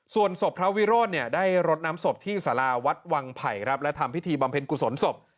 ส่วนศพพระวิโรธเนี่ยได้รดน้ำศพที่สาราวัดวังไผ่ครับและทำพิธีบำเพ็ญกุศลศพ